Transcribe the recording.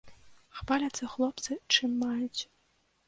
Хваляцца хлопцы чым маюць.